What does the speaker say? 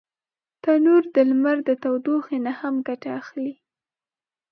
تنور د لمر د تودوخي نه هم ګټه اخلي